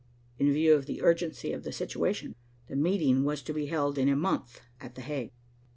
In view of the urgency of the situation, the meeting was to be held in a month at The Hague.